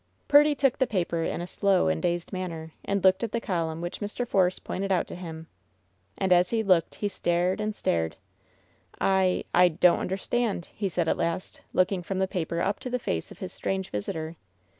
Purdy took the paper in a slow and dazed manner, and looked at the column which Mr. Force pointed out to him. And as he looked he stared and stared. "I — I — donH understand!" he said at last, looking from the paper up to the face of his strange visitor.